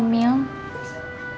kamu pasti dipulangin pak